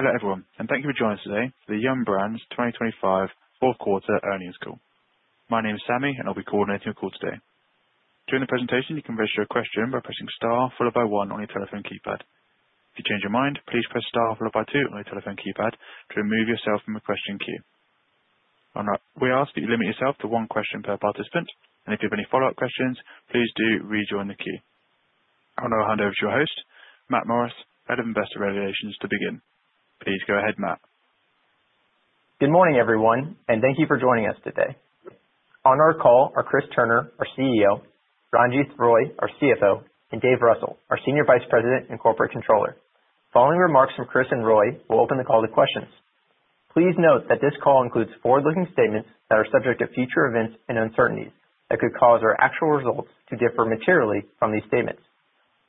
Hello, everyone, and thank you for joining us today for the Yum! Brands 2025 fourth quarter earnings call. My name is Sammy, and I'll be coordinating your call today. During the presentation, you can raise your question by pressing star followed by one on your telephone keypad. If you change your mind, please press star followed by two on your telephone keypad to remove yourself from the question queue. All right, we ask that you limit yourself to one question per participant, and if you have any follow-up questions, please do rejoin the queue. I'll now hand over to your host, Matt Morris, Head of Investor Relations, to begin. Please go ahead, Matt. Good morning, everyone, and thank you for joining us today. On our call are Chris Turner, our CEO, Ranjith Roy, our CFO, and Dave Russell, our Senior Vice President and Corporate Controller. Following remarks from Chris and Roy, we'll open the call to questions. Please note that this call includes forward-looking statements that are subject to future events and uncertainties that could cause our actual results to differ materially from these statements.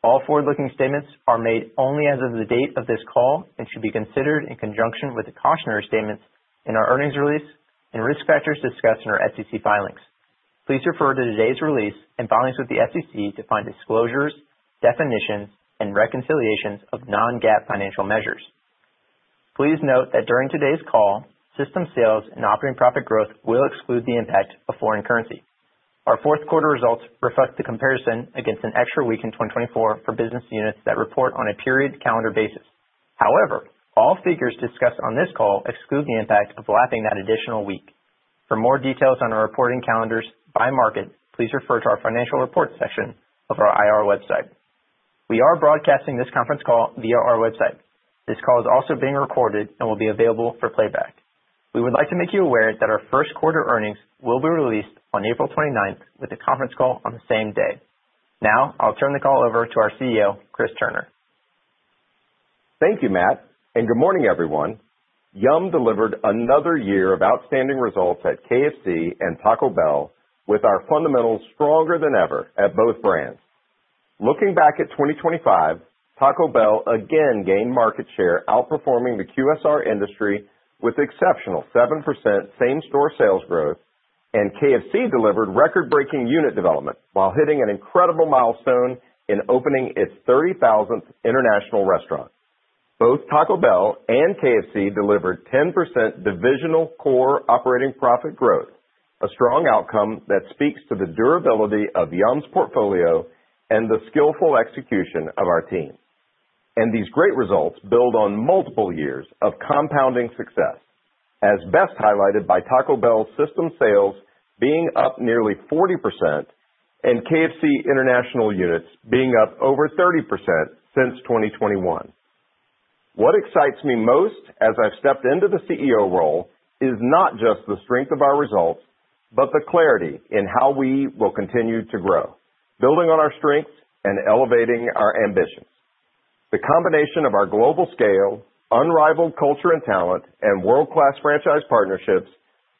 All forward-looking statements are made only as of the date of this call and should be considered in conjunction with the cautionary statements in our earnings release and risk factors discussed in our SEC filings. Please refer to today's release and filings with the SEC to find disclosures, definitions, and reconciliations of non-GAAP financial measures. Please note that during today's call, system sales and operating profit growth will exclude the impact of foreign currency. Our fourth quarter results reflect the comparison against an extra week in 2024 for business units that report on a period calendar basis. However, all figures discussed on this call exclude the impact of lapping that additional week. For more details on our reporting calendars by market, please refer to our financial report section of our IR website. We are broadcasting this conference call via our website. This call is also being recorded and will be available for playback. We would like to make you aware that our first quarter earnings will be released on April 29, with a conference call on the same day. Now, I'll turn the call over to our CEO, Chris Turner. Thank you, Matt, and good morning, everyone. Yum! delivered another year of outstanding results at KFC and Taco Bell, with our fundamentals stronger than ever at both brands. Looking back at 2025, Taco Bell again gained market share, outperforming the QSR industry with exceptional 7% same-store sales growth, and KFC delivered record-breaking unit development while hitting an incredible milestone in opening its 30,000th international restaurant. Both Taco Bell and KFC delivered 10% divisional core operating profit growth, a strong outcome that speaks to the durability of Yum's portfolio and the skillful execution of our team. These great results build on multiple years of compounding success, as best highlighted by Taco Bell's system sales being up nearly 40% and KFC international units being up over 30% since 2021. What excites me most as I've stepped into the CEO role is not just the strength of our results, but the clarity in how we will continue to grow, building on our strengths and elevating our ambitions. The combination of our global scale, unrivaled culture and talent, and world-class franchise partnerships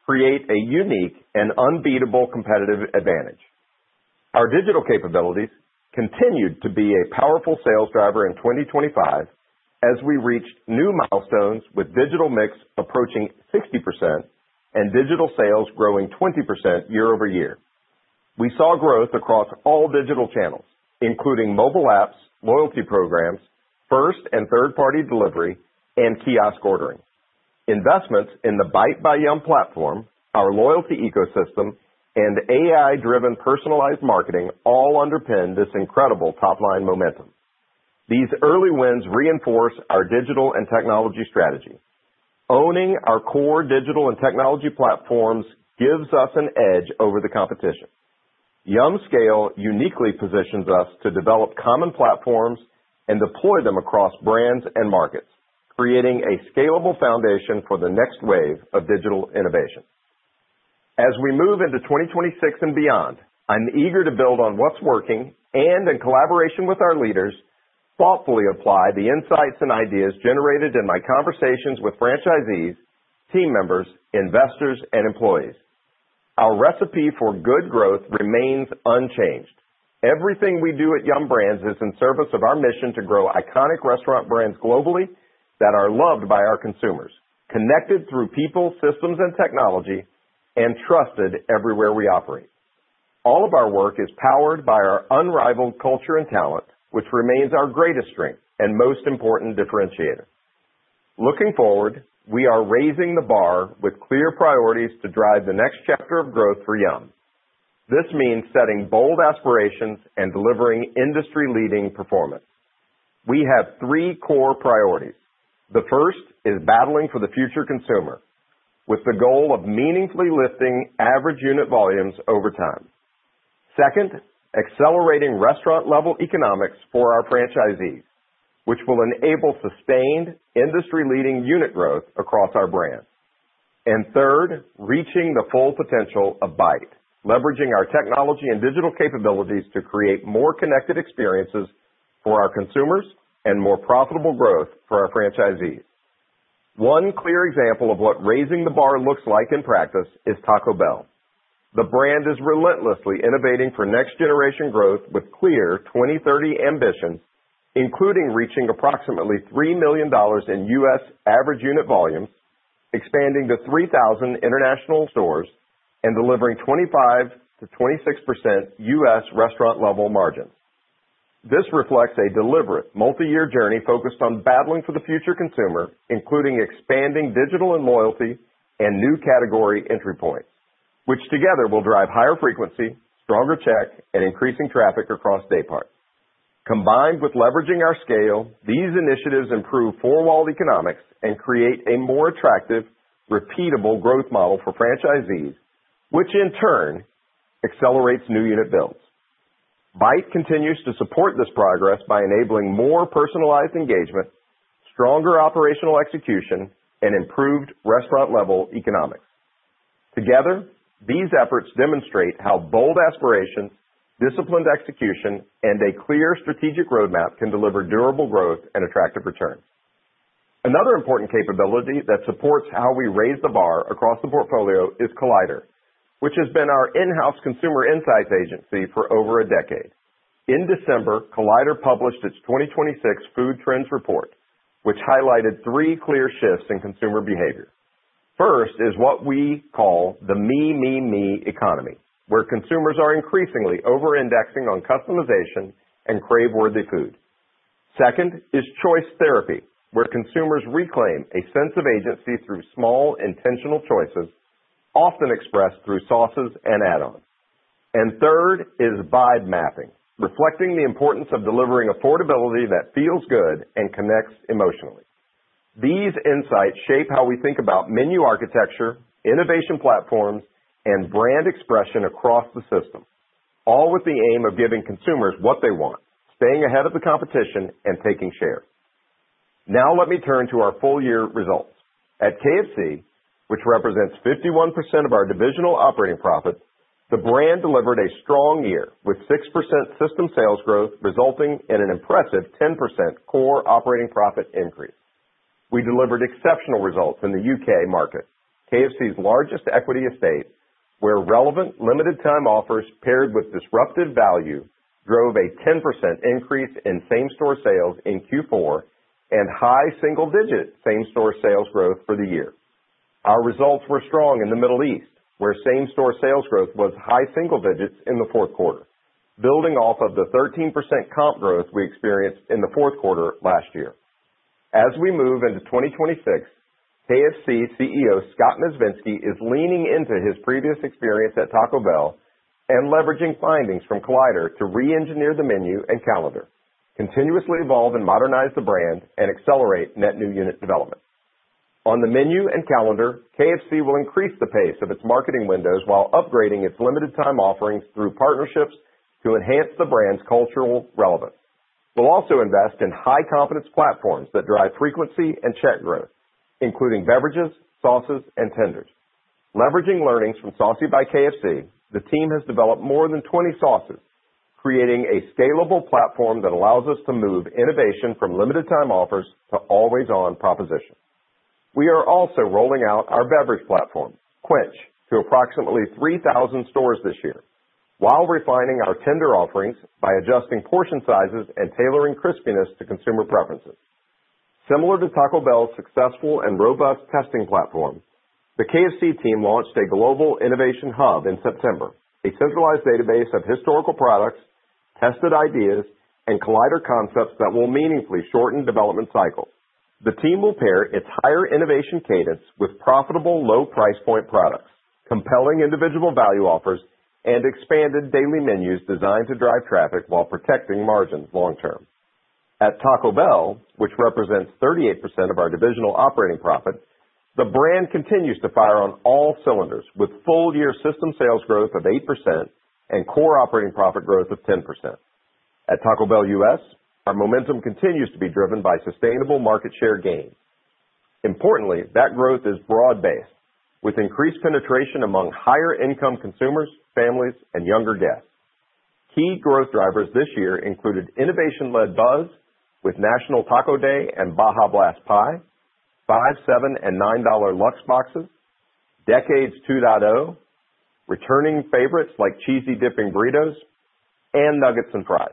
create a unique and unbeatable competitive advantage. Our digital capabilities continued to be a powerful sales driver in 2025 as we reached new milestones, with digital mix approaching 60% and digital sales growing 20% year-over-year. We saw growth across all digital channels, including mobile apps, loyalty programs, first- and third-party delivery, and kiosk ordering. Investments in the Byte by Yum platform, our loyalty ecosystem, and AI-driven personalized marketing all underpin this incredible top-line momentum. These early wins reinforce our digital and technology strategy. Owning our core digital and technology platforms gives us an edge over the competition. Yum's scale uniquely positions us to develop common platforms and deploy them across brands and markets, creating a scalable foundation for the next wave of digital innovation. As we move into 2026 and beyond, I'm eager to build on what's working and, in collaboration with our leaders, thoughtfully apply the insights and ideas generated in my conversations with franchisees, team members, investors, and employees. Our recipe for good growth remains unchanged. Everything we do at Yum! Brands is in service of our mission to grow iconic restaurant brands globally that are loved by our consumers, connected through people, systems, and technology, and trusted everywhere we operate. All of our work is powered by our unrivaled culture and talent, which remains our greatest strength and most important differentiator. Looking forward, we are raising the bar with clear priorities to drive the next chapter of growth for Yum. This means setting bold aspirations and delivering industry-leading performance. We have three core priorities. The first is battling for the future consumer with the goal of meaningfully lifting average unit volumes over time. Second, accelerating restaurant-level economics for our franchisees, which will enable sustained, industry-leading unit growth across our brands. And third, reaching the full potential of Byte, leveraging our technology and digital capabilities to create more connected experiences for our consumers and more profitable growth for our franchisees. One clear example of what raising the bar looks like in practice is Taco Bell. The brand is relentlessly innovating for next-generation growth with clear 2030 ambition, including reaching approximately $3 million in U.S. average unit volume, expanding to 3,000 international stores, and delivering 25%-26% U.S. restaurant-level margin. This reflects a deliberate multi-year journey focused on battling for the future consumer, including expanding digital and loyalty and new category entry points, which together will drive higher frequency, stronger check, and increasing traffic across daypart. Combined with leveraging our scale, these initiatives improve four-wall economics and create a more attractive, repeatable growth model for franchisees, which in turn accelerates new unit builds. Byte continues to support this progress by enabling more personalized engagement, stronger operational execution, and improved restaurant-level economics. Together, these efforts demonstrate how bold aspirations, disciplined execution, and a clear strategic roadmap can deliver durable growth and attractive returns. Another important capability that supports how we raise the bar across the portfolio is Collider, which has been our in-house consumer insights agency for over a decade. In December, Collider published its 2026 Food Trends report, which highlighted three clear shifts in consumer behavior. First is what we call the Me, Me, Me Economy, where consumers are increasingly over-indexing on customization and crave-worthy food. Second is choice therapy, where consumers reclaim a sense of agency through small, intentional choices, often expressed through sauces and add-ons. And third is vibe mapping, reflecting the importance of delivering affordability that feels good and connects emotionally. These insights shape how we think about menu architecture, innovation platforms, and brand expression across the system, all with the aim of giving consumers what they want, staying ahead of the competition, and taking share. Now let me turn to our full year results. At KFC, which represents 51% of our divisional operating profit, the brand delivered a strong year, with 6% system sales growth, resulting in an impressive 10% core operating profit increase. We delivered exceptional results in the UK market, KFC's largest equity estate, where relevant limited time offers paired with disruptive value drove a 10% increase in same-store sales in Q4 and high single-digit same-store sales growth for the year. Our results were strong in the Middle East, where same-store sales growth was high single digits in the fourth quarter, building off of the 13% comp growth we experienced in the fourth quarter last year. As we move into 2026, KFC CEO Scott Mezvinsky is leaning into his previous experience at Taco Bell and leveraging findings from Collider to reengineer the menu and calendar, continuously evolve and modernize the brand, and accelerate net new unit development. On the menu and calendar, KFC will increase the pace of its marketing windows while upgrading its limited time offerings through partnerships to enhance the brand's cultural relevance. We'll also invest in high competence platforms that drive frequency and check growth, including beverages, sauces, and tenders. Leveraging learnings from Saucy by KFC, the team has developed more than 20 sauces, creating a scalable platform that allows us to move innovation from limited time offers to always-on propositions. We are also rolling out our beverage platform, Quench, to approximately 3,000 stores this year, while refining our tender offerings by adjusting portion sizes and tailoring crispiness to consumer preferences. Similar to Taco Bell's successful and robust testing platform, the KFC team launched a global innovation hub in September, a centralized database of historical products, tested ideas, and Collider concepts that will meaningfully shorten development cycles. The team will pair its higher innovation cadence with profitable, low price point products, compelling individual value offers, and expanded daily menus designed to drive traffic while protecting margins long term. At Taco Bell, which represents 38% of our divisional operating profit, the brand continues to fire on all cylinders, with full year system sales growth of 8% and core operating profit growth of 10%. At Taco Bell U.S., our momentum continues to be driven by sustainable market share gains. Importantly, that growth is broad-based, with increased penetration among higher income consumers, families, and younger guests. Key growth drivers this year included innovation-led buzz with National Taco Day and Baja Blast Pie, $5, $7, and $9 luxe boxes, Decades 2.0, returning favorites like cheesy dipping burritos and nuggets and fries.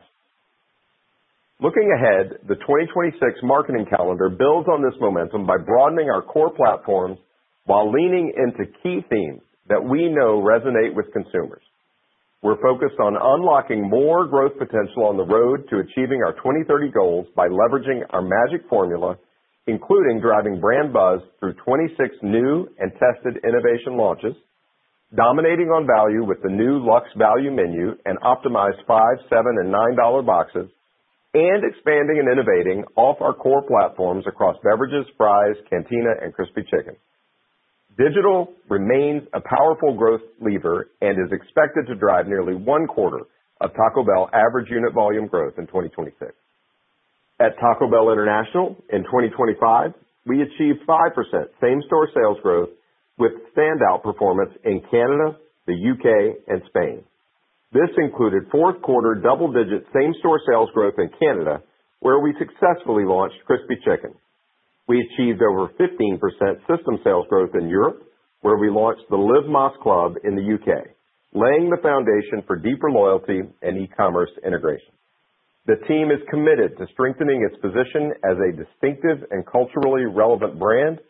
Looking ahead, the 2026 marketing calendar builds on this momentum by broadening our core platforms while leaning into key themes that we know resonate with consumers. We're focused on unlocking more growth potential on the road to achieving our 2030 goals by leveraging our magic formula, including driving brand buzz through 26 new and tested innovation launches, dominating on value with the new Luxe Value Menu and optimized $5, $7, and $9 boxes, and expanding and innovating off our core platforms across beverages, fries, Cantina, and crispy chicken. Digital remains a powerful growth lever and is expected to drive nearly one quarter of Taco Bell average unit volume growth in 2026. At Taco Bell International in 2025, we achieved 5% same-store sales growth, with standout performance in Canada, the U.K., and Spain. This included fourth quarter double-digit same-store sales growth in Canada, where we successfully launched crispy chicken. We achieved over 15% system sales growth in Europe, where we launched the Live Más Club in the U.K., laying the foundation for deeper loyalty and e-commerce integration. The team is committed to strengthening its position as a distinctive and culturally relevant brand,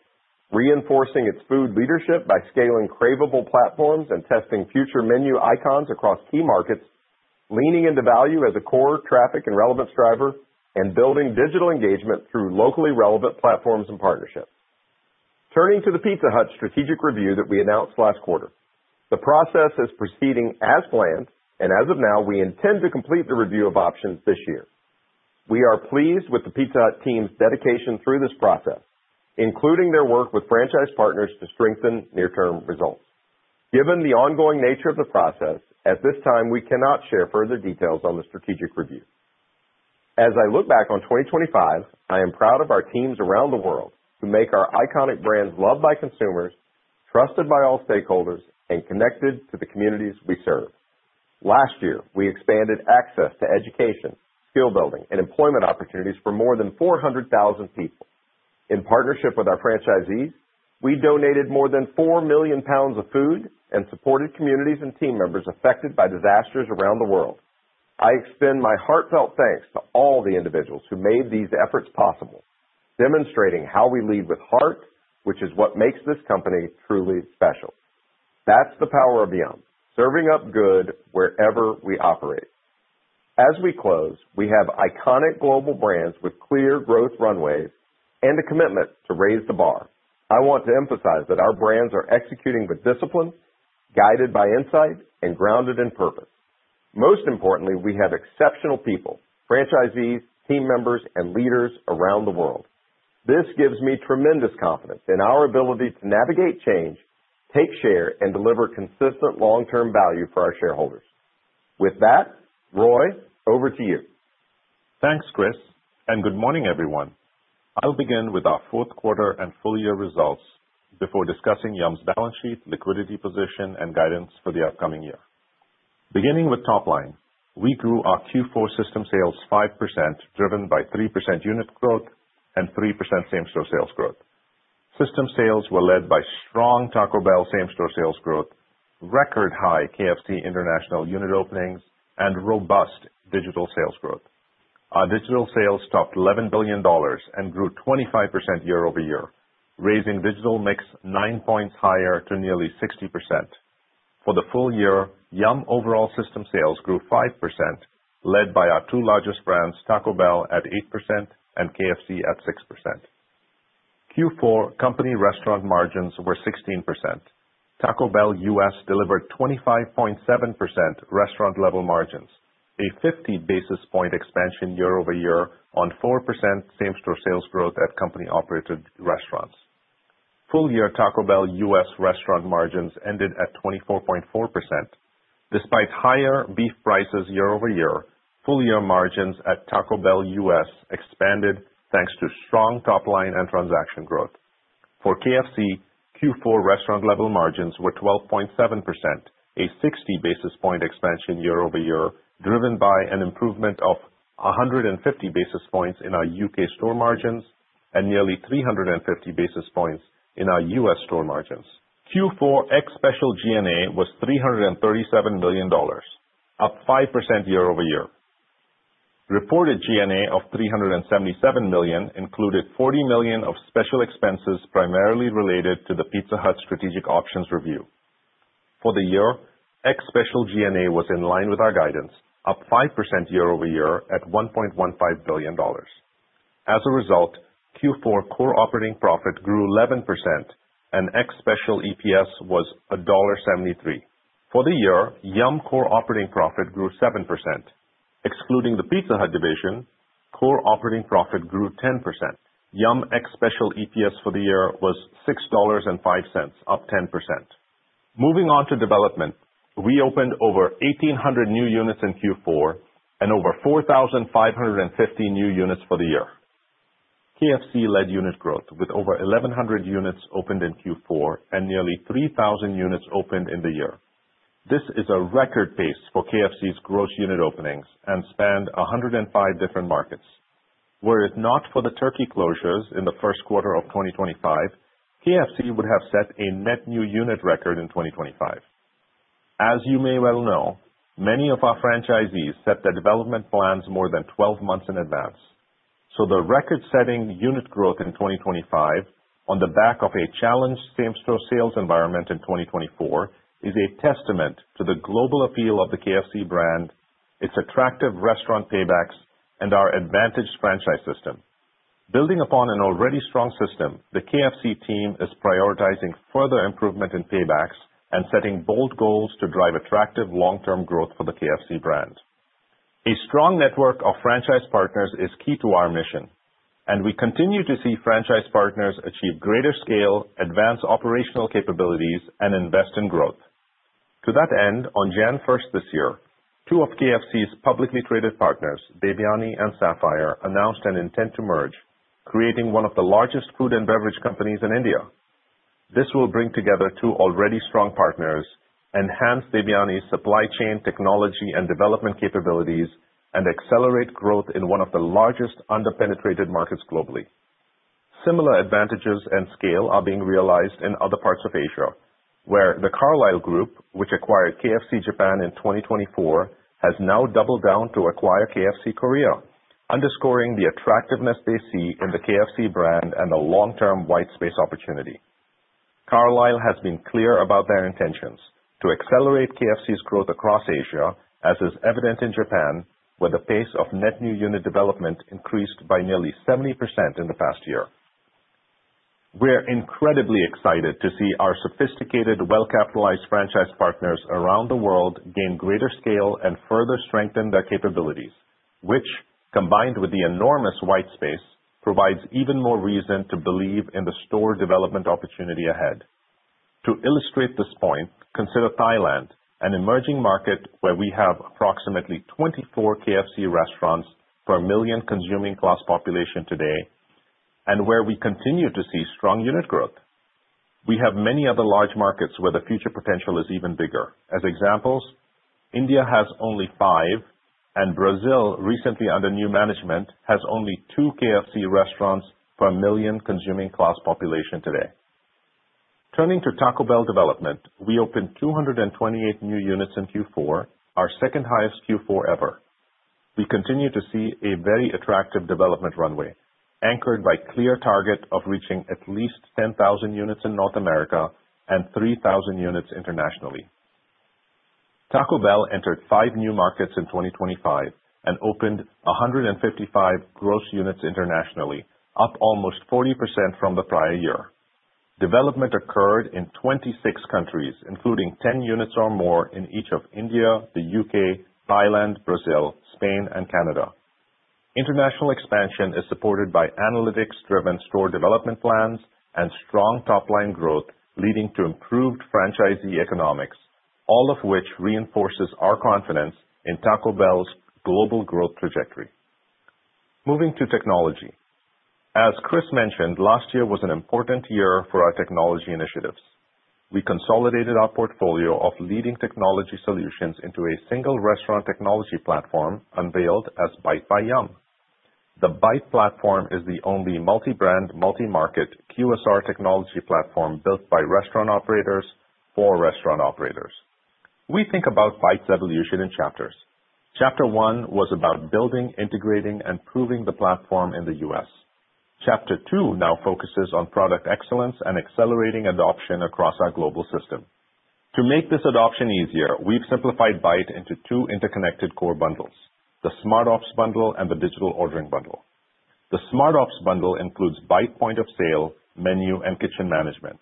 reinforcing its food leadership by scaling craveable platforms and testing future menu icons across key markets, leaning into value as a core traffic and relevance driver, and building digital engagement through locally relevant platforms and partnerships. Turning to the Pizza Hut strategic review that we announced last quarter, the process is proceeding as planned, and as of now, we intend to complete the review of options this year. We are pleased with the Pizza Hut team's dedication through this process, including their work with franchise partners to strengthen near-term results. Given the ongoing nature of the process, at this time, we cannot share further details on the strategic review. As I look back on 2025, I am proud of our teams around the world who make our iconic brands loved by consumers, trusted by all stakeholders, and connected to the communities we serve. Last year, we expanded access to education, skill building, and employment opportunities for more than 400,000 people. In partnership with our franchisees, we donated more than 4 million pounds of food and supported communities and team members affected by disasters around the world. I extend my heartfelt thanks to all the individuals who made these efforts possible, demonstrating how we lead with heart, which is what makes this company truly special. That's the power of Yum, serving up good wherever we operate. As we close, we have iconic global brands with clear growth runways and a commitment to raise the bar. I want to emphasize that our brands are executing with discipline, guided by insight, and grounded in purpose. Most importantly, we have exceptional people, franchisees, team members, and leaders around the world. This gives me tremendous confidence in our ability to navigate change, take share, and deliver consistent long-term value for our shareholders. With that, Roy, over to you. Thanks, Chris, and good morning, everyone. I'll begin with our fourth quarter and full year results before discussing Yum's balance sheet, liquidity position, and guidance for the upcoming year. Beginning with top line, we grew our Q4 system sales 5%, driven by 3% unit growth and 3% same-store sales growth. System sales were led by strong Taco Bell same-store sales growth, record high KFC international unit openings, and robust digital sales growth. Our digital sales topped $11 billion and grew 25% year-over-year, raising digital mix 9 points higher to nearly 60%. For the full year, Yum overall system sales grew 5%, led by our two largest brands, Taco Bell at 8% and KFC at 6%. Q4 company restaurant margins were 16%. Taco Bell U.S. delivered 25.7% restaurant-level margins, a 50 basis points expansion year-over-year on 4% same-store sales growth at company-operated restaurants. Full-year Taco Bell U.S. restaurant margins ended at 24.4%. Despite higher beef prices year-over-year, full-year margins at Taco Bell U.S. expanded, thanks to strong top-line and transaction growth. For KFC, Q4 restaurant-level margins were 12.7%, a 60 basis points expansion year-over-year, driven by an improvement of 150 basis points in our U.K. store margins and nearly 350 basis points in our U.S. store margins. Q4 ex special G&A was $337 billion, up 5% year-over-year. Reported G&A of $377 million included $40 million of special expenses, primarily related to the Pizza Hut strategic options review. For the year, ex special G&A was in line with our guidance, up 5% year-over-year at $1.15 billion. As a result, Q4 core operating profit grew 11% and ex special EPS was $1.73. For the year, Yum core operating profit grew 7%. Excluding the Pizza Hut division, core operating profit grew 10%. Yum ex special EPS for the year was $6.05, up 10%. Moving on to development, we opened over 1,800 new units in Q4 and over 4,550 new units for the year. KFC led unit growth with over 1,100 units opened in Q4 and nearly 3,000 units opened in the year. This is a record pace for KFC's gross unit openings and spanned 105 different markets. Were it not for the Turkey closures in the first quarter of 2025, KFC would have set a net new unit record in 2025. As you may well know, many of our franchisees set their development plans more than 12 months in advance. So the record-setting unit growth in 2025 on the back of a challenged same-store sales environment in 2024, is a testament to the global appeal of the KFC brand, its attractive restaurant paybacks, and our advantaged franchise system. Building upon an already strong system, the KFC team is prioritizing further improvement in paybacks and setting bold goals to drive attractive long-term growth for the KFC brand. A strong network of franchise partners is key to our mission, and we continue to see franchise partners achieve greater scale, advance operational capabilities, and invest in growth. To that end, on January first this year, two of KFC's publicly traded partners, Devyani and Sapphire, announced an intent to merge, creating one of the largest food and beverage companies in India. This will bring together two already strong partners, enhance Devyani's supply chain technology and development capabilities, and accelerate growth in one of the largest underpenetrated markets globally. Similar advantages and scale are being realized in other parts of Asia... where The Carlyle Group, which acquired KFC Japan in 2024, has now doubled down to acquire KFC Korea, underscoring the attractiveness they see in the KFC brand and the long-term white space opportunity. Carlyle Group has been clear about their intentions to accelerate KFC's growth across Asia, as is evident in Japan, where the pace of net new unit development increased by nearly 70% in the past year. We're incredibly excited to see our sophisticated, well-capitalized franchise partners around the world gain greater scale and further strengthen their capabilities, which, combined with the enormous white space, provides even more reason to believe in the store development opportunity ahead. To illustrate this point, consider Thailand, an emerging market where we have approximately 24 KFC restaurants per million consuming class population today, and where we continue to see strong unit growth. We have many other large markets where the future potential is even bigger. As examples, India has only five, and Brazil, recently under new management, has only two KFC restaurants per million consuming class population today. Turning to Taco Bell development, we opened 228 new units in Q4, our second highest Q4 ever. We continue to see a very attractive development runway, anchored by clear target of reaching at least 10,000 units in North America and 3,000 units internationally. Taco Bell entered five new markets in 2025 and opened 155 gross units internationally, up almost 40% from the prior year. Development occurred in 26 countries, including 10 units or more in each of India, the U.K., Thailand, Brazil, Spain, and Canada. International expansion is supported by analytics-driven store development plans and strong top-line growth, leading to improved franchisee economics, all of which reinforces our confidence in Taco Bell's global growth trajectory. Moving to technology. As Chris mentioned, last year was an important year for our technology initiatives. We consolidated our portfolio of leading technology solutions into a single restaurant technology platform, unveiled as Byte by Yum! The Byte platform is the only multi-brand, multi-market QSR technology platform built by restaurant operators for restaurant operators. We think about Byte's evolution in chapters. Chapter One was about building, integrating, and proving the platform in the U.S. Chapter Two now focuses on product excellence and accelerating adoption across our global system. To make this adoption easier, we've simplified Byte into two interconnected core bundles, the Smart Ops bundle and the Digital Ordering bundle. The Smart Ops bundle includes Byte point of sale, menu, and kitchen management,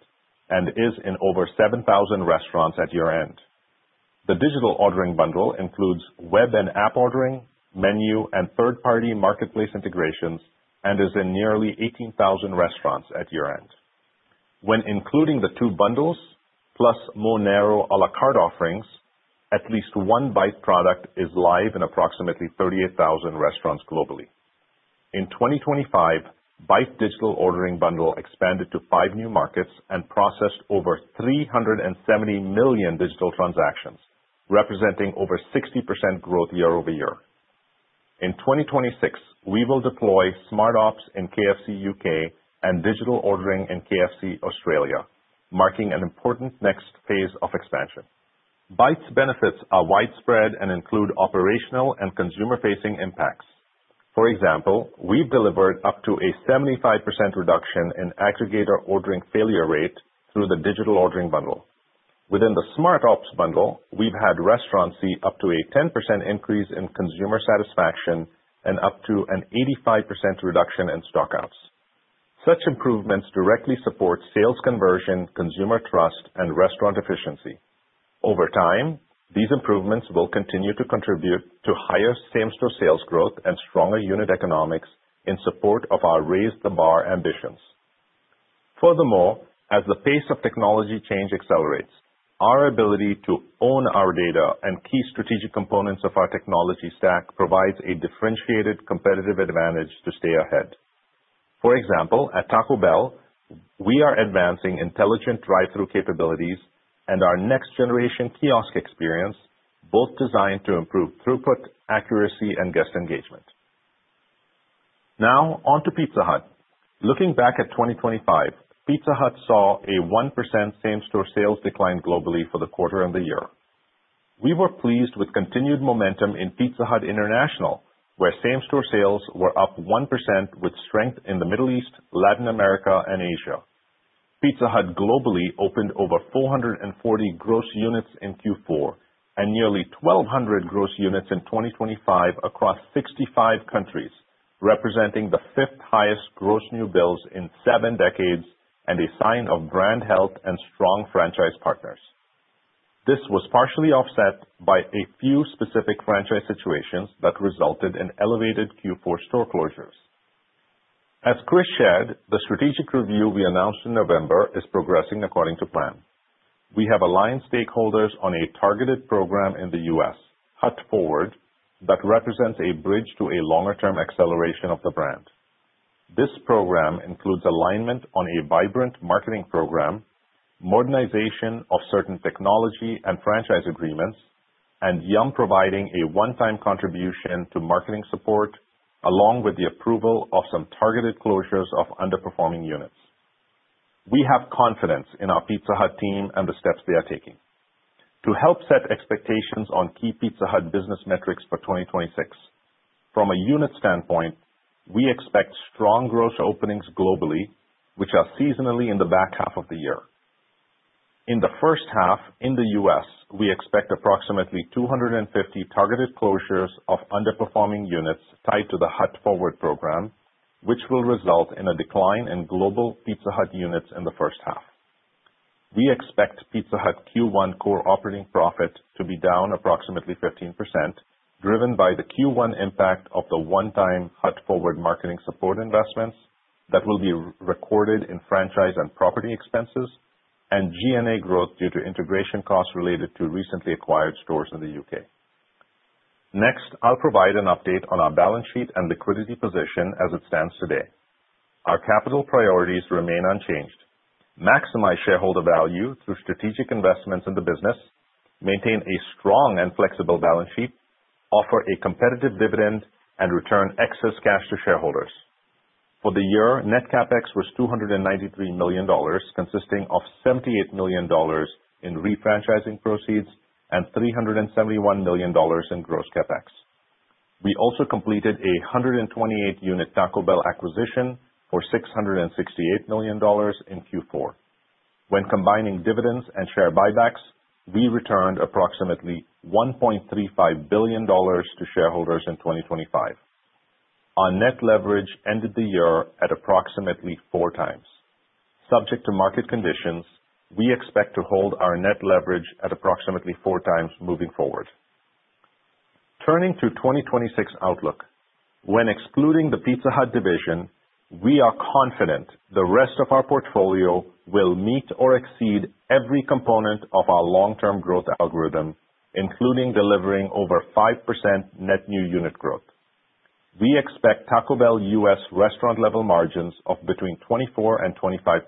and is in over 7,000 restaurants at year-end. The Digital Ordering bundle includes web and app ordering, menu, and third-party marketplace integrations, and is in nearly 18,000 restaurants at year-end. When including the two bundles, plus more narrow, à la carte offerings, at least one Byte product is live in approximately 38,000 restaurants globally. In 2025, Byte digital ordering bundle expanded to 5 new markets and processed over 370 million digital transactions, representing over 60% growth year-over-year. In 2026, we will deploy Smart Ops in KFC UK and digital ordering in KFC Australia, marking an important next phase of expansion. Byte's benefits are widespread and include operational and consumer-facing impacts. For example, we've delivered up to a 75% reduction in aggregator ordering failure rate through the digital ordering bundle. Within the Smart Ops bundle, we've had restaurants see up to a 10% increase in consumer satisfaction and up to an 85% reduction in stock outs. Such improvements directly support sales conversion, consumer trust, and restaurant efficiency. Over time, these improvements will continue to contribute to higher same-store sales growth and stronger unit economics in support of our Raise the Bar ambitions. Furthermore, as the pace of technology change accelerates, our ability to own our data and key strategic components of our technology stack provides a differentiated competitive advantage to stay ahead. For example, at Taco Bell, we are advancing intelligent drive-thru capabilities and our next generation kiosk experience, both designed to improve throughput, accuracy, and guest engagement. Now, on to Pizza Hut. Looking back at 2025, Pizza Hut saw a 1% same-store sales decline globally for the quarter and the year. We were pleased with continued momentum in Pizza Hut International, where same-store sales were up 1% with strength in the Middle East, Latin America, and Asia. Pizza Hut globally opened over 440 gross units in Q4, and nearly 1,200 gross units in 2025 across 65 countries, representing the 5th highest gross new builds in 7 decades, and a sign of brand health and strong franchise partners. This was partially offset by a few specific franchise situations that resulted in elevated Q4 store closures. As Chris shared, the strategic review we announced in November is progressing according to plan. We have aligned stakeholders on a targeted program in the U.S., Hut Forward, that represents a bridge to a longer-term acceleration of the brand. This program includes alignment on a vibrant marketing program, modernization of certain technology and franchise agreements, and Yum providing a one-time contribution to marketing support, along with the approval of some targeted closures of underperforming units. We have confidence in our Pizza Hut team and the steps they are taking. To help set expectations on key Pizza Hut business metrics for 2026, from a unit standpoint, we expect strong gross openings globally, which are seasonally in the back half of the year. In the first half, in the U.S., we expect approximately 250 targeted closures of underperforming units tied to the Hut Forward program, which will result in a decline in global Pizza Hut units in the first half. We expect Pizza Hut Q1 core operating profit to be down approximately 15%, driven by the Q1 impact of the one-time Hut Forward marketing support investments that will be recorded in franchise and property expenses and G&A growth due to integration costs related to recently acquired stores in the U.K. Next, I'll provide an update on our balance sheet and liquidity position as it stands today. Our capital priorities remain unchanged: maximize shareholder value through strategic investments in the business, maintain a strong and flexible balance sheet, offer a competitive dividend, and return excess cash to shareholders. For the year, net CapEx was $293 million, consisting of $78 million in refranchising proceeds and $371 million in gross CapEx. We also completed a 128-unit Taco Bell acquisition for $668 million in Q4. When combining dividends and share buybacks, we returned approximately $1.35 billion to shareholders in 2025. Our net leverage ended the year at approximately 4x. Subject to market conditions, we expect to hold our net leverage at approximately 4x moving forward. Turning to 2026 outlook. When excluding the Pizza Hut division, we are confident the rest of our portfolio will meet or exceed every component of our long-term growth algorithm, including delivering over 5% net new unit growth. We expect Taco Bell US restaurant-level margins of between 24% and 25%.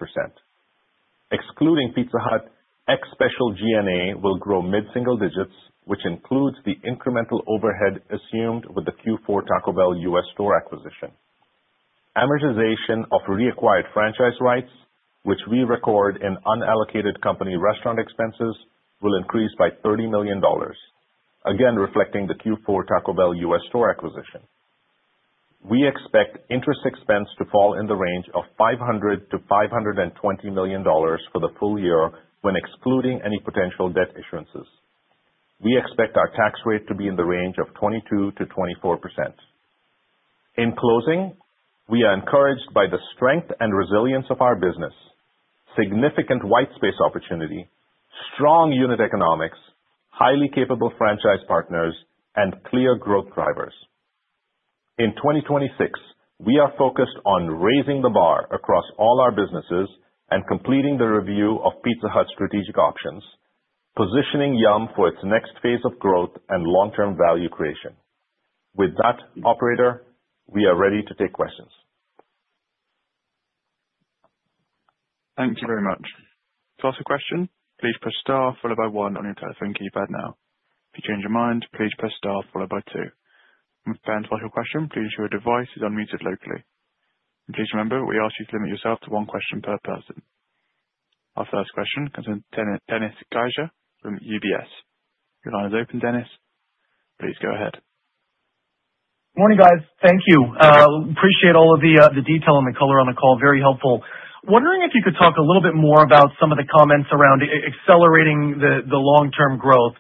Excluding Pizza Hut, ex special G&A will grow mid-single digits, which includes the incremental overhead assumed with the Q4 Taco Bell US store acquisition. Amortization of reacquired franchise rights, which we record in unallocated company restaurant expenses, will increase by $30 million, again, reflecting the Q4 Taco Bell US store acquisition. We expect interest expense to fall in the range of $500 million-$520 million for the full year when excluding any potential debt issuances. We expect our tax rate to be in the range of 22%-24%. In closing, we are encouraged by the strength and resilience of our business, significant white space opportunity, strong unit economics, highly capable franchise partners, and clear growth drivers. In 2026, we are focused on raising the bar across all our businesses and completing the review of Pizza Hut strategic options, positioning Yum! for its next phase of growth and long-term value creation. With that, operator, we are ready to take questions. Thank you very much. To ask a question, please press star followed by one on your telephone keypad now. If you change your mind, please press star followed by two. When preparing to ask your question, please ensure your device is unmuted locally. Please remember, we ask you to limit yourself to one question per person. Our first question comes from Dennis Geiger from UBS. Your line is open, Dennis. Please go ahead. Morning, guys. Thank you. Appreciate all of the detail and the color on the call. Very helpful. Wondering if you could talk a little bit more about some of the comments around accelerating the long-term growth.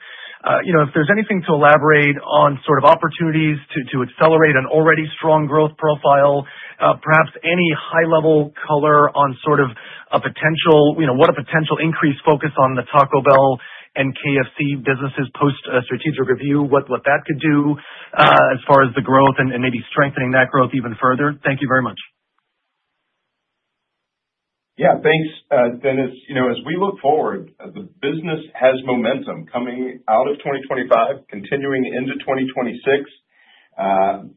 You know, if there's anything to elaborate on, sort of, opportunities to accelerate an already strong growth profile, perhaps any high level color on sort of a potential, you know, what a potential increased focus on the Taco Bell and KFC businesses post a strategic review, what that could do, as far as the growth and maybe strengthening that growth even further? Thank you very much. Yeah, thanks, Dennis. You know, as we look forward, the business has momentum coming out of 2025, continuing into 2026.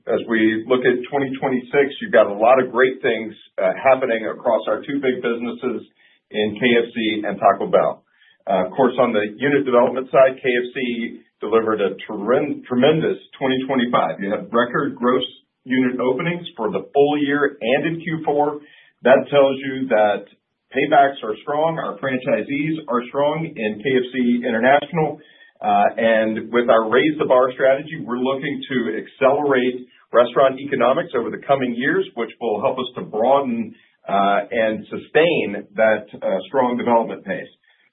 As we look at 2026, you've got a lot of great things happening across our two big businesses in KFC and Taco Bell. Of course, on the unit development side, KFC delivered a tremendous 2025. You have record gross unit openings for the full year and in Q4. That tells you that paybacks are strong, our franchisees are strong in KFC International, and with our Raise the Bar strategy, we're looking to accelerate restaurant economics over the coming years, which will help us to broaden and sustain that strong development pace.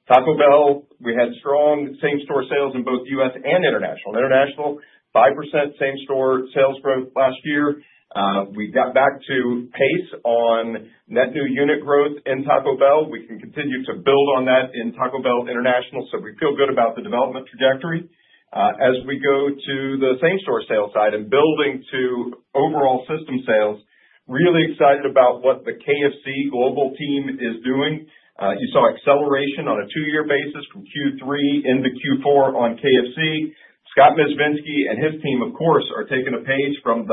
Taco Bell, we had strong same-store sales in both U.S. and international. International, 5% same-store sales growth last year. We got back to pace on net new unit growth in Taco Bell. We can continue to build on that in Taco Bell International, so we feel good about the development trajectory. As we go to the same-store sales side and building to overall system sales, really excited about what the KFC global team is doing. You saw acceleration on a two-year basis from Q3 into Q4 on KFC. Scott Mezvinsky and his team, of course, are taking a page from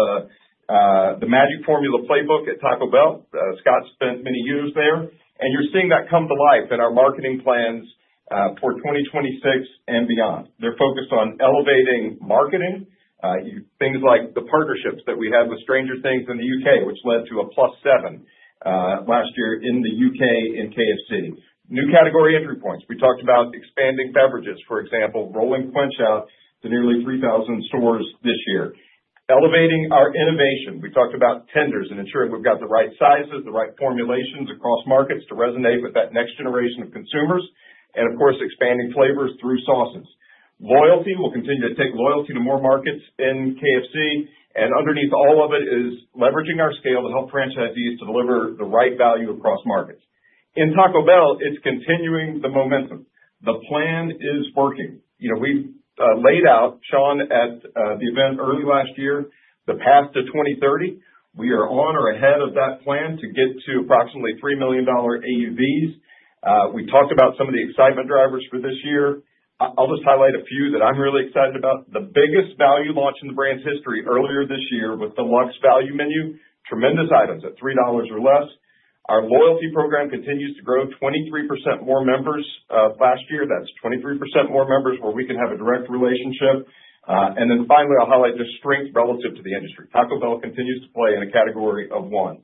the Magic Formula playbook at Taco Bell. Scott spent many years there, and you're seeing that come to life in our marketing plans. For 2026 and beyond. They're focused on elevating marketing, things like the partnerships that we had with Stranger Things in the U.K., which led to a +7 last year in the U.K. in KFC. New category entry points. We talked about expanding beverages, for example, rolling Quench out to nearly 3,000 stores this year. Elevating our innovation. We talked about tenders and ensuring we've got the right sizes, the right formulations across markets to resonate with that next generation of consumers, and of course, expanding flavors through sauces. Loyalty, we'll continue to take loyalty to more markets in KFC, and underneath all of it is leveraging our scale to help franchisees to deliver the right value across markets. In Taco Bell, it's continuing the momentum. The plan is working. You know, we've laid out, Sean, at the event early last year, the path to 2030. We are on or ahead of that plan to get to approximately $3 million AUVs. We talked about some of the excitement drivers for this year. I'll just highlight a few that I'm really excited about. The biggest value launch in the brand's history earlier this year, with the Luxe Value Menu, tremendous items at $3 or less. Our loyalty program continues to grow, 23% more members last year. That's 23% more members where we can have a direct relationship. And then finally, I'll highlight just strength relative to the industry. Taco Bell continues to play in a category of one.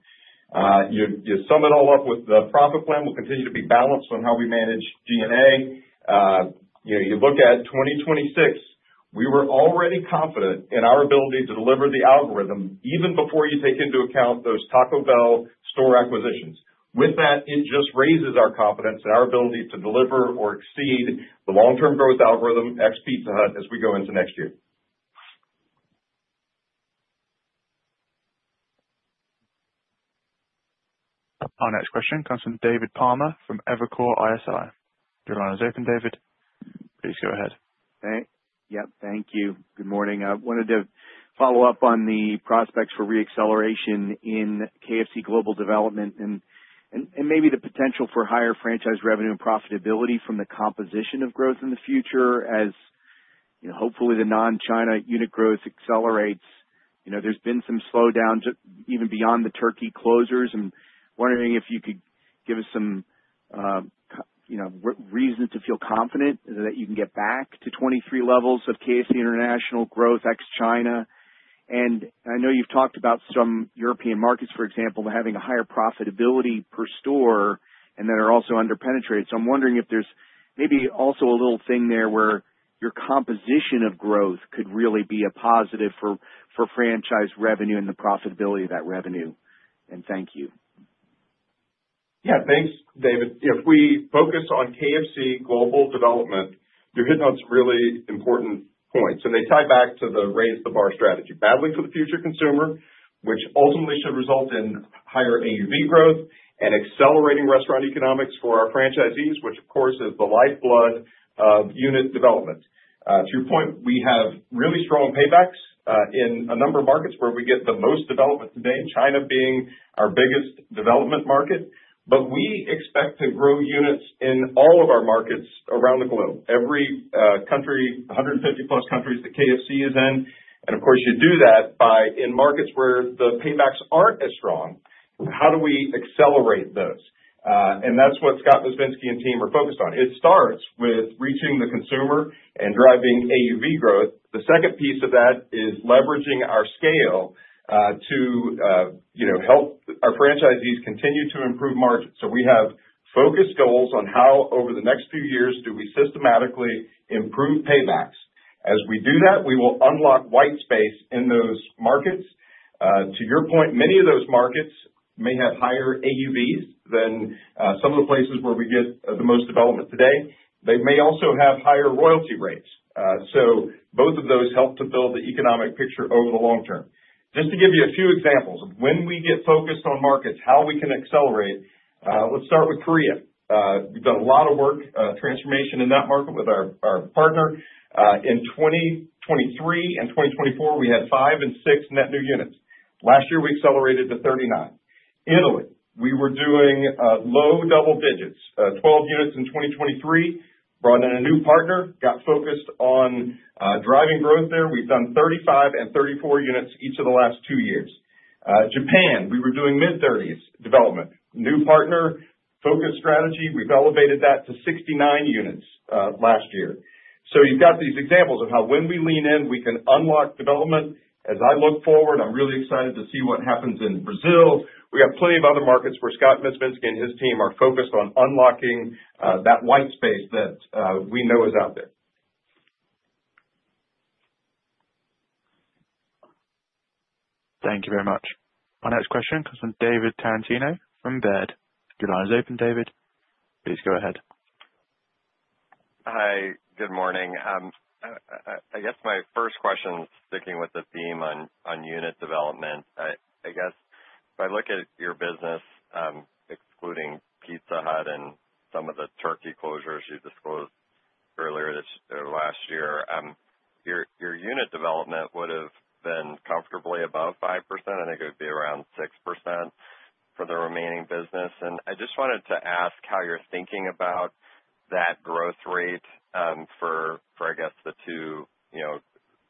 You sum it all up with the profit plan will continue to be balanced on how we manage DNA. You know, you look at 2026, we were already confident in our ability to deliver the algorithm, even before you take into account those Taco Bell store acquisitions. With that, it just raises our confidence in our ability to deliver or exceed the long-term growth algorithm ex Pizza Hut as we go into next year. Our next question comes from David Palmer from Evercore ISI. Your line is open, David. Please go ahead. Hey. Yeah, thank you. Good morning. I wanted to follow up on the prospects for re-acceleration in KFC global development and maybe the potential for higher franchise revenue and profitability from the composition of growth in the future, as you know, hopefully, the non-China unit growth accelerates. You know, there's been some slowdown even beyond the Turkey closures, and wondering if you could give us some, you know, reason to feel confident that you can get back to 23 levels of KFC international growth, ex China. And I know you've talked about some European markets, for example, having a higher profitability per store and that are also under-penetrated. So I'm wondering if there's maybe also a little thing there where your composition of growth could really be a positive for, for franchise revenue and the profitability of that revenue. And thank you. Yeah, thanks, David. If we focus on KFC global development, you're hitting on some really important points, and they tie back to the Raise the Bar strategy. Battling for the future consumer, which ultimately should result in higher AUV growth and accelerating restaurant economics for our franchisees, which of course, is the lifeblood of unit development. To your point, we have really strong paybacks in a number of markets where we get the most development today, and China being our biggest development market. But we expect to grow units in all of our markets around the globe. Every country, 150+ countries that KFC is in, and of course, you do that by, in markets where the paybacks aren't as strong, how do we accelerate those? And that's what Scott Mezvinsky and team are focused on. It starts with reaching the consumer and driving AUV growth. The second piece of that is leveraging our scale, to, you know, help our franchisees continue to improve margins. So we have focused goals on how, over the next few years, do we systematically improve paybacks. As we do that, we will unlock white space in those markets. To your point, many of those markets may have higher AUVs than, some of the places where we get, the most development today. They may also have higher royalty rates. So both of those help to build the economic picture over the long term. Just to give you a few examples of when we get focused on markets, how we can accelerate, let's start with Korea. We've done a lot of work, transformation in that market with our partner. In 2023 and 2024, we had 5 and 6 net new units. Last year, we accelerated to 39. Italy, we were doing low double digits, 12 units in 2023. Brought in a new partner, got focused on driving growth there. We've done 35 and 34 units each of the last two years. Japan, we were doing mid-30s development. New partner, focused strategy. We've elevated that to 69 units last year. So you've got these examples of how, when we lean in, we can unlock development. As I look forward, I'm really excited to see what happens in Brazil. We've got plenty of other markets where Scott Mezvinsky and his team are focused on unlocking that white space that we know is out there. Thank you very much. My next question comes from David Tarantino from Baird. Your line is open, David. Please go ahead. Hi, good morning. I guess my first question is sticking with the theme on unit development. I guess if I look at your business, excluding Pizza Hut and some of the Turkey closures you disclosed earlier this or last year, your unit development would have been comfortably above 5%. I think it would be around 6% for the remaining business. And I just wanted to ask how you're thinking about that growth rate for I guess the two, you know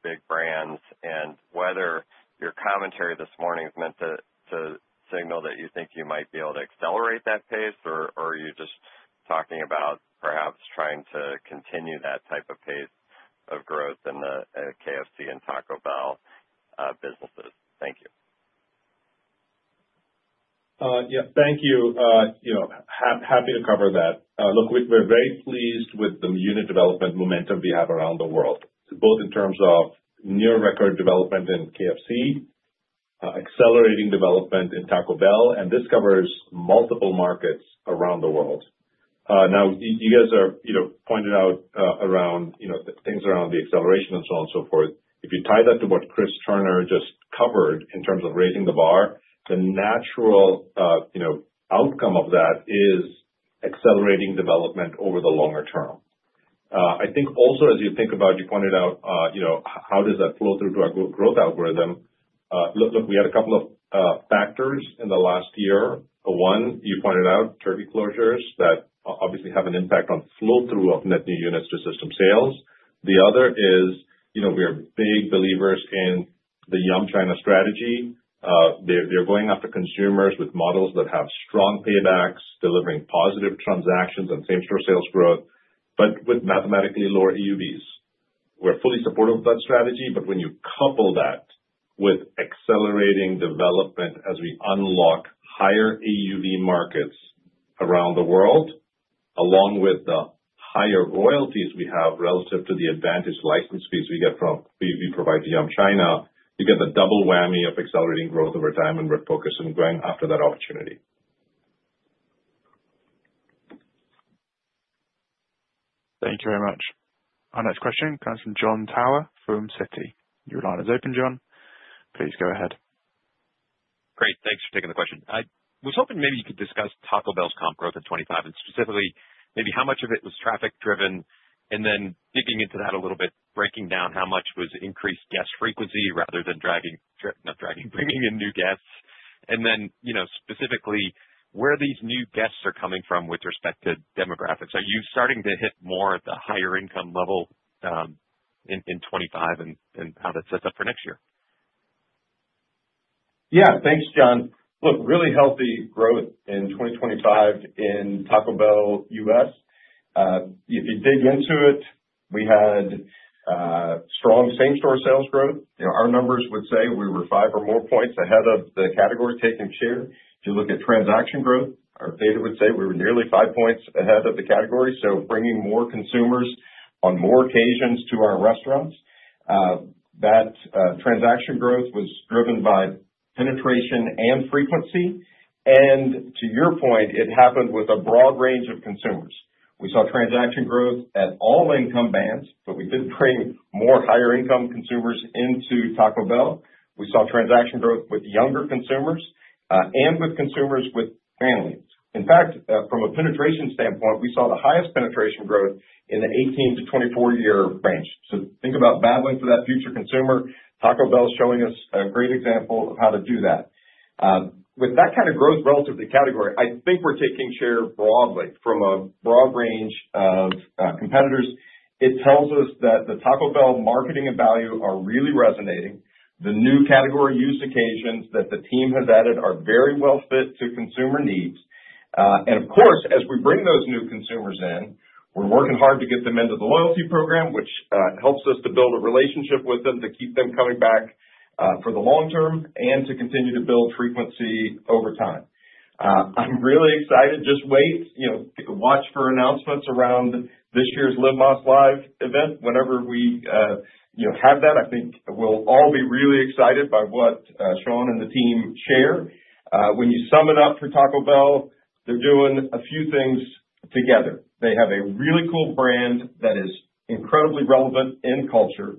big brands, and whether your commentary this morning is meant to signal that you think you might be able to accelerate that pace, or are you just talking about perhaps trying to continue that type of pace of growth in the KFC and Taco Bell businesses? Thank you. Yeah, thank you. You know, happy to cover that. Look, we're very pleased with the unit development momentum we have around the world, both in terms of near record development in KFC, accelerating development in Taco Bell, and this covers multiple markets around the world. Now, you guys are, you know, pointed out, around, you know, things around the acceleration and so on and so forth. If you tie that to what Chris Turner just covered in terms of raising the bar, the natural, you know, outcome of that is accelerating development over the longer term. I think also, as you think about, you pointed out, you know, how does that flow through to our growth algorithm? Look, we had a couple of factors in the last year. One, you pointed out, Turkey closures that obviously have an impact on flow through of net new units to system sales. The other is, you know, we are big believers in the Yum China strategy. They're going after consumers with models that have strong paybacks, delivering positive transactions and same-store sales growth, but with mathematically lower AUVs. We're fully supportive of that strategy, but when you couple that with accelerating development as we unlock higher AUV markets around the world, along with the higher royalties we have relative to the advantage license fees we provide to Yum China, you get the double whammy of accelerating growth over time, and we're focused on going after that opportunity. Thank you very much. Our next question comes from Jon Tower from Citi. Your line is open, John. Please go ahead. Great. Thanks for taking the question. I was hoping maybe you could discuss Taco Bell's comp growth at 25, and specifically, maybe how much of it was traffic driven, and then digging into that a little bit, breaking down how much was increased guest frequency rather than bringing in new guests. And then, you know, specifically, where these new guests are coming from with respect to demographics. Are you starting to hit more at the higher income level in 2025, and how that sets up for next year? Yeah. Thanks, John. Look, really healthy growth in 2025 in Taco Bell US. If you dig into it, we had strong same-store sales growth. You know, our numbers would say we were 5 or more points ahead of the category taking share. If you look at transaction growth, our data would say we were nearly 5 points ahead of the category, so bringing more consumers on more occasions to our restaurants. That transaction growth was driven by penetration and frequency, and to your point, it happened with a broad range of consumers. We saw transaction growth at all income bands, but we did bring more higher income consumers into Taco Bell. We saw transaction growth with younger consumers and with consumers with families. In fact, from a penetration standpoint, we saw the highest penetration growth in the 18-24-year range. So think about battling for that future consumer, Taco Bell is showing us a great example of how to do that. With that kind of growth relative to the category, I think we're taking share broadly from a broad range of competitors. It tells us that the Taco Bell marketing and value are really resonating. The new category use occasions that the team has added are very well fit to consumer needs. And of course, as we bring those new consumers in, we're working hard to get them into the loyalty program, which helps us to build a relationship with them, to keep them coming back for the long term and to continue to build frequency over time. I'm really excited. Just wait, you know, watch for announcements around this year's Live Más LIVE event. Whenever we, you know, have that, I think we'll all be really excited by what, Sean and the team share. When you sum it up for Taco Bell, they're doing a few things together. They have a really cool brand that is incredibly relevant in culture.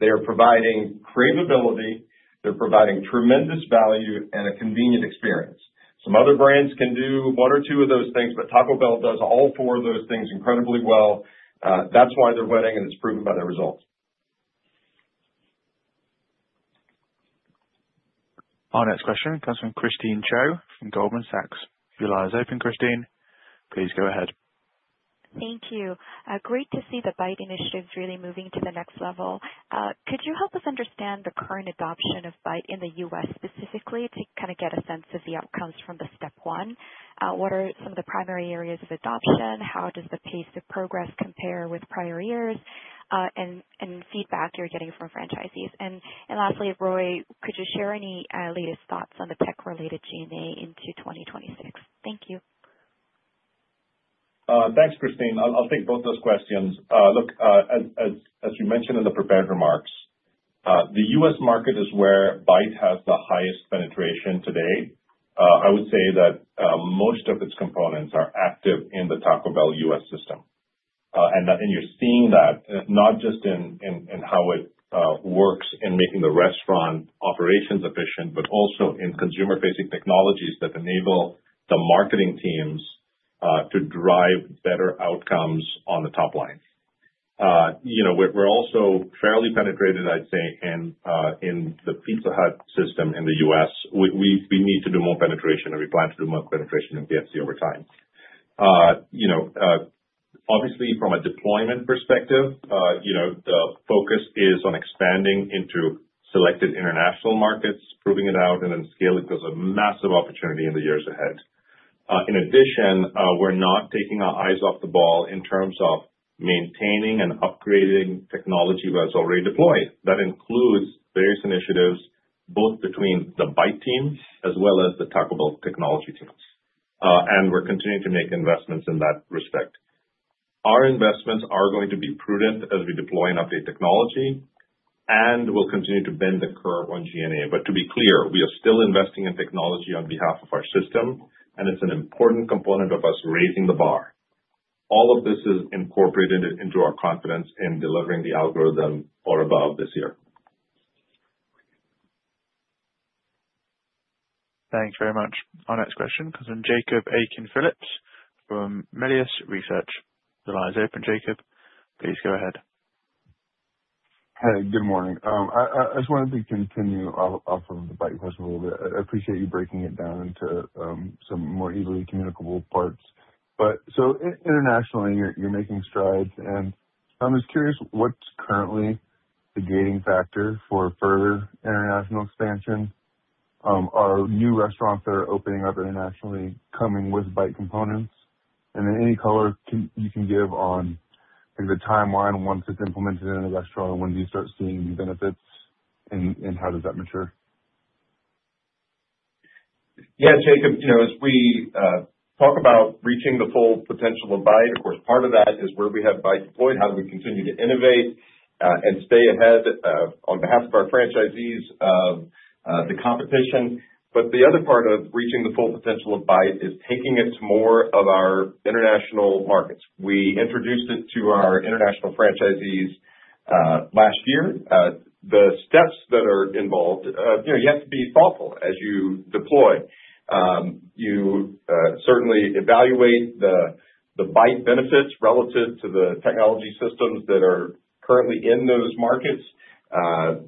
They are providing craveability, they're providing tremendous value and a convenient experience. Some other brands can do one or two of those things, but Taco Bell does all four of those things incredibly well. That's why they're winning, and it's proven by the results. Our next question comes from Christine Cho, from Goldman Sachs. Your line is open, Christine. Please go ahead. Thank you. Great to see the Byte initiative really moving to the next level. Could you help us understand the current adoption of Byte in the U.S. specifically, to kind of get a sense of the outcomes from the step one? What are some of the primary areas of adoption? How does the pace of progress compare with prior years, and feedback you're getting from franchisees? And lastly, Roy, could you share any latest thoughts on the tech-related G&A into 2026? Thank you. Thanks, Christine. I'll take both those questions. Look, as you mentioned in the prepared remarks, the U.S. market is where Byte has the highest penetration today. I would say that most of its components are active in the Taco Bell U.S. system. You're seeing that not just in how it works in making the restaurant operations efficient, but also in consumer-facing technologies that enable the marketing teams to drive better outcomes on the top line. You know, we're also fairly penetrated, I'd say, in the Pizza Hut system in the U.S. We need to do more penetration, and we plan to do more penetration in KFC over time. You know, obviously from a deployment perspective, you know, the focus is on expanding into selected international markets, proving it out, and then scaling. There's a massive opportunity in the years ahead. In addition, we're not taking our eyes off the ball in terms of maintaining and upgrading technology that's already deployed. That includes various initiatives, both between the Byte team as well as the Taco Bell technology teams. And we're continuing to make investments in that respect. Our investments are going to be prudent as we deploy and update technology, and we'll continue to bend the curve on G&A. But to be clear, we are still investing in technology on behalf of our system, and it's an important component of us raising the bar. All of this is incorporated into our confidence in delivering the algorithm or above this year. Thanks very much. Our next question comes from Jacob Aiken-Phillips from Melius Research. The line is open, Jacob. Please go ahead. Hey, good morning. I just wanted to continue off of the Byte question a little bit. I appreciate you breaking it down into some more easily communicable parts. But so internationally, you're making strides, and I'm just curious, what's currently the gating factor for further international expansion? Are new restaurants that are opening up internationally coming with Byte components? And then any color you can give on the timeline once it's implemented in a restaurant and when do you start seeing the benefits and how does that mature? Yeah, Jacob, you know, as we talk about reaching the full potential of Byte, of course, part of that is where we have Byte deployed, how do we continue to innovate and stay ahead on behalf of our franchisees the competition. But the other part of reaching the full potential of Byte is taking it to more of our international markets. We introduced it to our international franchisees last year. The steps that are involved, you know, you have to be thoughtful as you deploy. You certainly evaluate the Byte benefits relative to the technology systems that are currently in those markets.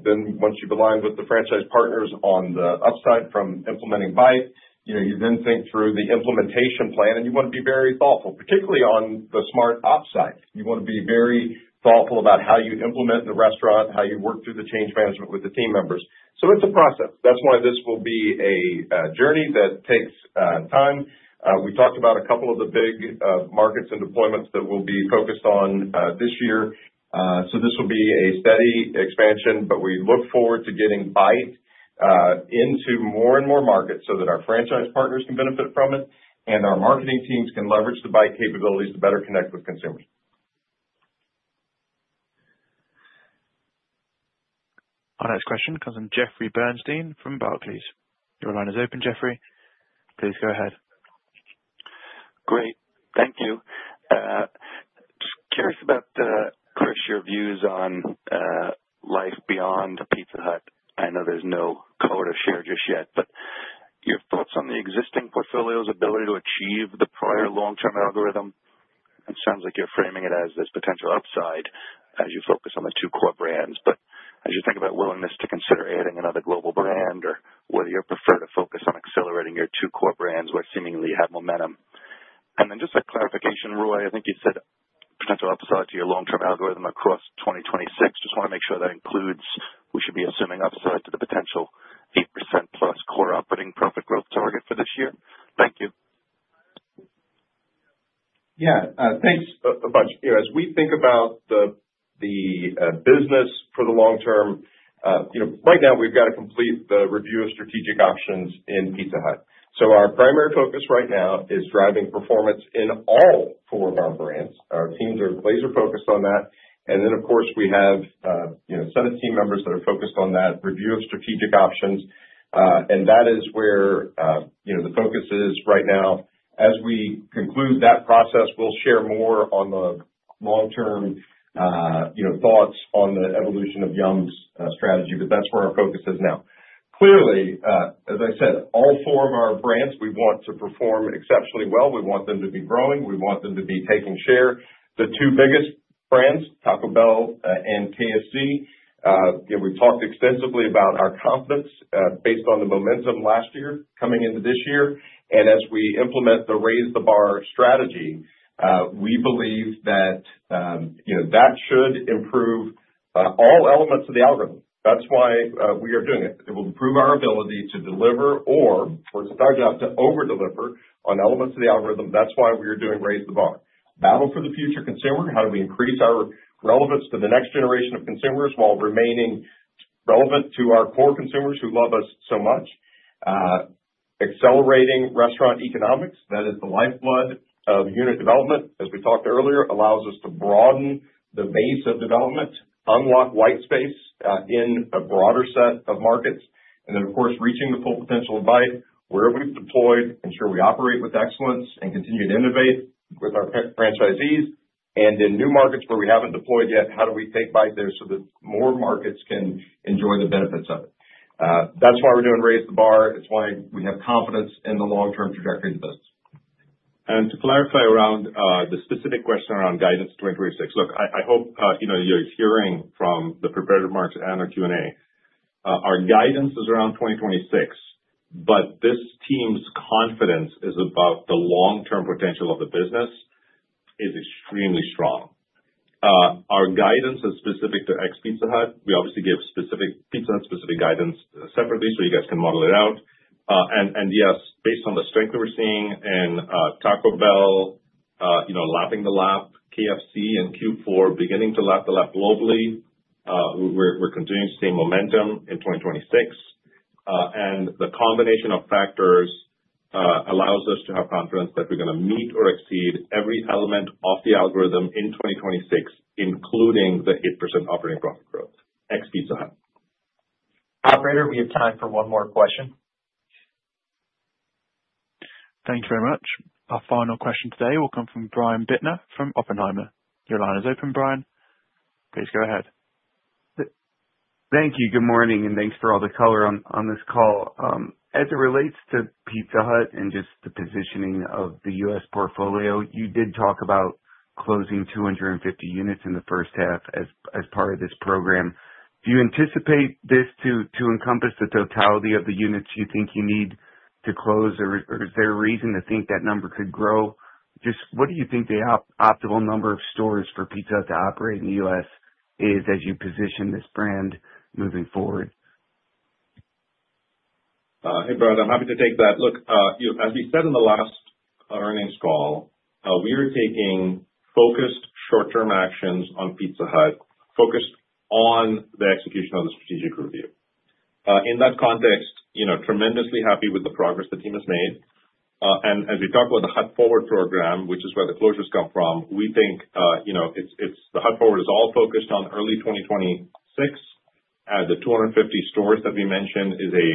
Then once you've aligned with the franchise partners on the upside from implementing Byte, you know, you then think through the implementation plan, and you want to be very thoughtful, particularly on the Smart Ops side. You want to be very thoughtful about how you implement in the restaurant, how you work through the change management with the team members. So it's a process. That's why this will be a journey that takes time. We talked about a couple of the big markets and deployments that we'll be focused on this year. So this will be a steady expansion, but we look forward to getting Byte into more and more markets so that our franchise partners can benefit from it, and our marketing teams can leverage the Byte capabilities to better connect with consumers. Our next question comes from Jeffrey Bernstein from Barclays. Your line is open, Jeffrey. Please go ahead. Great. Thank you. Just curious about, Chris, your views on life beyond Pizza Hut. I know there's no color to share just yet, but your thoughts on the existing portfolio's ability to achieve the prior long-term algorithm? It sounds like you're framing it as this potential upside as you focus on the two core brands, but as you think about willingness to consider adding another global brand, or whether you prefer to focus on accelerating your two core brands where seemingly you have momentum. Then just a clarification, Roy, I think you said potential upside to your long-term algorithm across 2026. Just want to make sure that includes, we should be assuming upside to the potential 8%+ core operating profit growth target for this year. Thank you. Yeah, thanks a bunch. You know, as we think about the business for the long term, you know, right now we've got to complete the review of strategic options in Pizza Hut. So our primary focus right now is driving performance in all four of our brands. Our teams are laser focused on that. And then, of course, we have, you know, some team members that are focused on that review of strategic options, and that is where, you know, the focus is right now. As we conclude that process, we'll share more on the long-term, you know, thoughts on the evolution of Yum's strategy, but that's where our focus is now. Clearly, as I said, all four of our brands, we want to perform exceptionally well. We want them to be growing. We want them to be taking share. The two biggest brands, Taco Bell and KFC, you know, we've talked extensively about our confidence based on the momentum last year coming into this year, and as we implement the Raise the Bar strategy, we believe that, you know, that should improve all elements of the algorithm. That's why we are doing it. It will improve our ability to deliver. Or, for it, it's our job to over-deliver on elements of the algorithm. That's why we are doing Raise the Bar. Battle for the future consumer, how do we increase our relevance to the next generation of consumers while remaining relevant to our core consumers who love us so much? Accelerating restaurant economics, that is the lifeblood of unit development, as we talked earlier, allows us to broaden the base of development, unlock white space, in a broader set of markets, and then, of course, reaching the full potential of Byte where we've deployed, ensure we operate with excellence and continue to innovate with our franchisees, and in new markets where we haven't deployed yet, how do we take Byte there so that more markets can enjoy the benefits of it? That's why we're doing Raise the Bar. It's why we have confidence in the long-term trajectory of the business. To clarify around the specific question around guidance 2026. Look, I hope, you know, you're hearing from the prepared remarks and our Q&A- Our guidance is around 2026, but this team's confidence is about the long-term potential of the business is extremely strong. Our guidance is specific to ex Pizza Hut. We obviously give specific, Pizza Hut specific guidance separately, so you guys can model it out. And, and yes, based on the strength that we're seeing in, Taco Bell, you know, lapping the lap, KFC in Q4 beginning to lap the lap globally, we're, we're continuing to see momentum in 2026. And the combination of factors, allows us to have confidence that we're gonna meet or exceed every element of the algorithm in 2026, including the 8% operating profit growth, ex Pizza Hut. Operator, we have time for one more question. Thank you very much. Our final question today will come from Brian Bittner from Oppenheimer. Your line is open, Brian. Please go ahead. Thank you. Good morning, and thanks for all the color on this call. As it relates to Pizza Hut and just the positioning of the U.S. portfolio, you did talk about closing 250 units in the first half as part of this program. Do you anticipate this to encompass the totality of the units you think you need to close, or is there a reason to think that number could grow? Just what do you think the optimal number of stores for Pizza Hut to operate in the U.S. is as you position this brand moving forward? Hey, Brian, I'm happy to take that. Look, you know, as we said in the last earnings call, we are taking focused short-term actions on Pizza Hut, focused on the execution of the strategic review. In that context, you know, tremendously happy with the progress the team has made. And as we talk about the Hut Forward program, which is where the closures come from, we think, you know, it's the Hut Forward is all focused on early 2026, as the 250 stores that we mentioned is a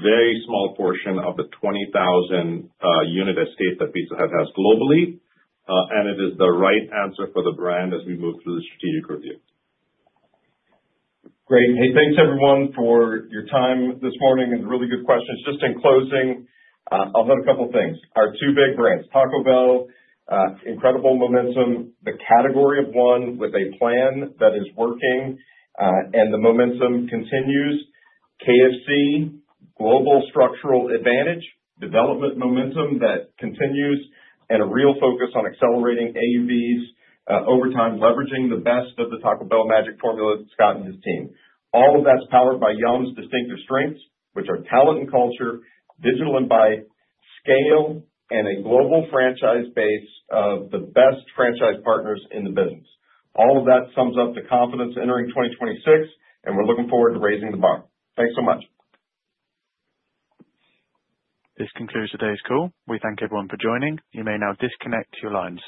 very small portion of the 20,000 unit estate that Pizza Hut has globally. And it is the right answer for the brand as we move through the strategic review. Great. Hey, thanks everyone for your time this morning, and really good questions. Just in closing, I'll note a couple things. Our two big brands, Taco Bell, incredible momentum, the category of one with a plan that is working, and the momentum continues. KFC, global structural advantage, development momentum that continues, and a real focus on accelerating AUVs, over time, leveraging the best of the Taco Bell magic formula, Scott and his team. All of that's powered by Yum!'s distinctive strengths, which are talent and culture, digital and by scale, and a global franchise base of the best franchise partners in the business. All of that sums up the confidence entering 2026, and we're looking forward to raising the bar. Thanks so much. This concludes today's call. We thank everyone for joining. You may now disconnect your lines.